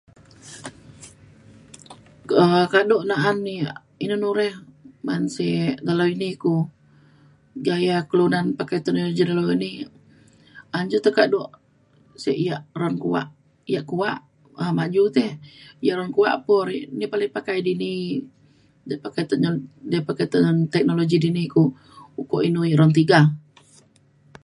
um kado na’an yak inu nu re man se dalau ini ku gaya kelunan pakai teknologi dalau ini an je te kado sek yak [unintelligible] yak kuak um maju teh. um yak kuak ku ri ni palai pakai dini de pakai tekno- de pakai tekno- teknologi dini ku ukok inu ku ruang tiga.